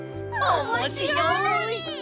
おもしろいです！